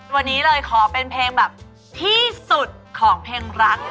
วันนี้เลยขอเป็นเพลงแบบที่สุดของเพลงรัก